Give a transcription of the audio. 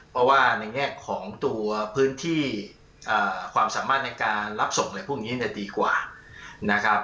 เพราะว่าในแง่ของตัวพื้นที่ความสามารถในการรับส่งอะไรพวกนี้ดีกว่านะครับ